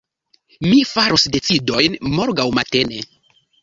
Mi faros decidojn morgaŭ matene.